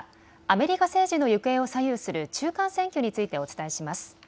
アメリカ政治の行方を左右する中間選挙についてお伝えします。